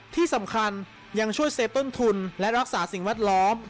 ที่สำคัญยังช่วยเซฟต้นทุนและรักษาสิ่งแวดล้อม